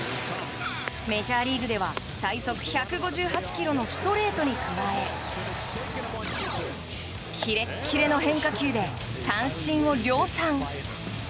メジャーリーグでは最速１５８キロのストレートに加えキレキレの変化球で三振を量産。